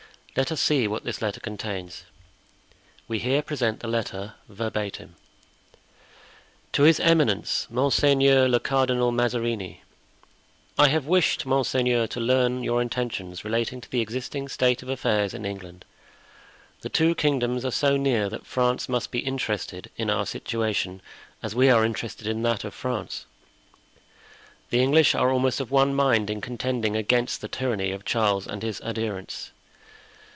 Let us see what this letter contains." We here present the letter verbatim: "To his Eminence, Monseigneur le Cardinal Mazarini: "I have wished, monseigneur, to learn your intentions relating to the existing state of affairs in England. The two kingdoms are so near that France must be interested in our situation, as we are interested in that of France. The English are almost of one mind in contending against the tyranny of Charles and his adherents.